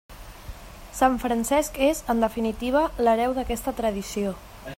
Sant Francesc és, en definitiva, l'hereu d'aquesta tradició.